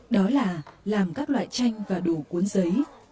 đó là làm các loại tranh và đồ cuốn giấy